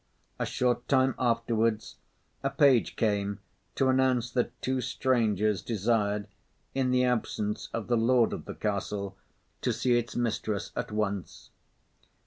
A short time afterwards, a page came to announce that two strangers desired, in the absence of the lord of the castle, to see its mistress at once.